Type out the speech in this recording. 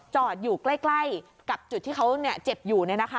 จอดอยู่ใกล้กับจุดที่เขาเจ็บอยู่